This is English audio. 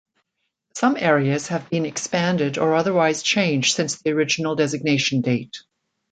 Some areas have been expanded or otherwise changed since the original designation date.